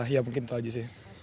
ya mungkin itu aja sih